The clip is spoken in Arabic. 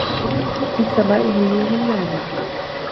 فِي السَّمَاءِ نُجُومٌ لاَمِعَةٌ.